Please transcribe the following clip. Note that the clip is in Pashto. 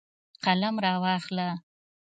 قلم راواخله